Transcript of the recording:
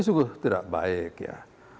sungguh tidak baik ya